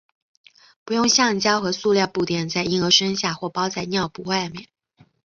不用橡胶和塑料布垫在婴儿身下或包在尿布外面。